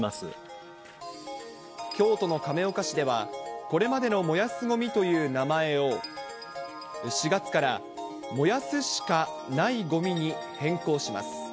京都の亀岡市では、これまでの燃やすごみという名前を、４月から燃やすしかないごみに変更します。